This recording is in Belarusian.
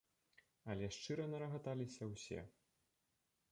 Але шчыра нарагаталіся ўсе.